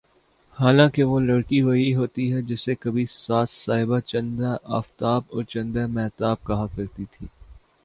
حالانکہ وہ لڑکی وہی ہوتی ہے جسے کبھی ساس صاحبہ چندے آفتاب اور چندے ماہتاب کہا کرتی تھیں